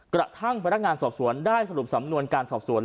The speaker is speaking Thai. กระทั่งพนักงานสอบสวนได้สรุปสำนวนการสอบสวน